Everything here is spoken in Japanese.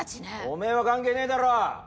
おめぇは関係ねえだろ。